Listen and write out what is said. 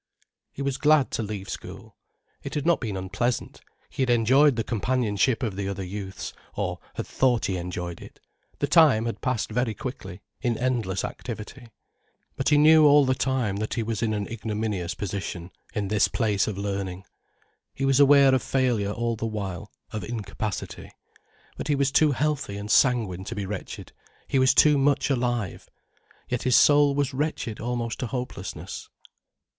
He was glad to leave school. It had not been unpleasant, he had enjoyed the companionship of the other youths, or had thought he enjoyed it, the time had passed very quickly, in endless activity. But he knew all the time that he was in an ignominious position, in this place of learning. He was aware of failure all the while, of incapacity. But he was too healthy and sanguine to be wretched, he was too much alive. Yet his soul was wretched almost to hopelessness.